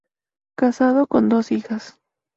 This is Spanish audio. Casado con dos hijas.